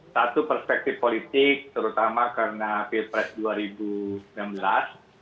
satu perspektif politik terutama karena pilpres dua ribu sembilan belas